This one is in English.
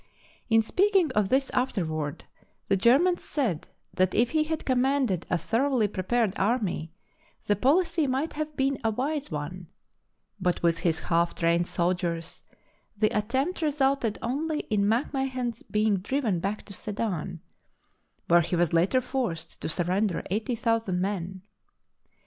In speaking of this afterward the Germans said that if he had commanded a thor oughly prepared army the policy might have been a wise one; but with his half trained soldiers, the attempt resulted only in MacMahon's being driven back to Sedan, where he was later forced to surren der eighty thousand men.